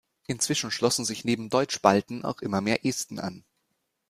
Inzwischen schlossen sich neben Deutsch-Balten auch immer mehr Esten an.